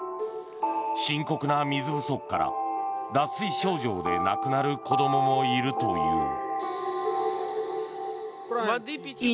深刻な水不足から脱水症状で亡くなる子供もいるという。